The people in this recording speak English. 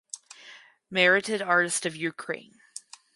Merited artist of Ukraine.